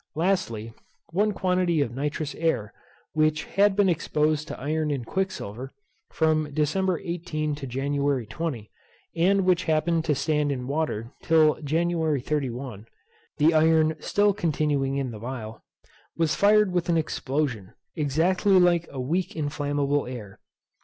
Lastly, One quantity of nitrous air, which had been exposed to iron in quicksilver, from December 18 to January 20, and which happened to stand in water till January 31 (the iron still continuing in the phial) was fired with an explosion, exactly like a weak inflammable air.